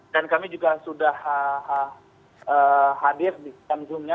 dan kami juga sudah hadir di zoom nya